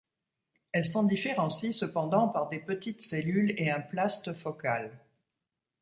Elle s'en différencie cependant par des petites cellules et un plaste focal.